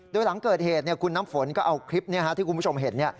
โดยหลังเกิดเหตุคุณน้ำฝนก็เอาคลิปที่คุณผู้ชมเห็น